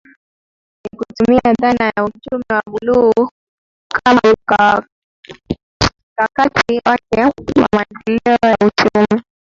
Ni kutumia dhana ya uchumi wa buluu kama mkakati wake wa maendeleo ya uchumi